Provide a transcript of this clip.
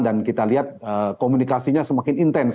dan kita lihat komunikasinya semakin intens